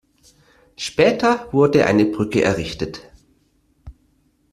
Später wurde eine Brücke errichtet.